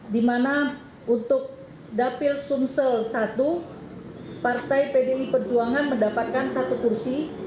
di mana untuk dapil sumsel i partai pdi perjuangan mendapatkan satu kursi